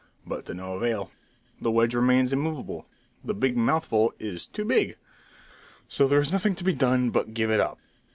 But to no avail. The wedge remains immovable. The big mouthful is too big! So there is nothing to be done, but give it up!